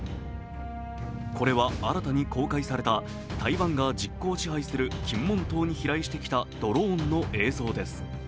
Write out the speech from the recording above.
これは新たに公開された台湾が実効支配する金門島に飛来してきたドローンの映像です。